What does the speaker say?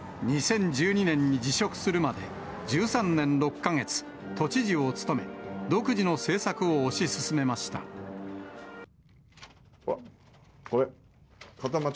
２０１２年に辞職するまで１３年６か月、都知事を務め、独自の政策を推し進めました。